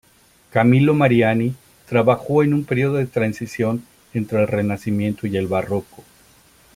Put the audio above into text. Camillo Mariani trabajó en un período de transición entre el renacimiento y el barroco.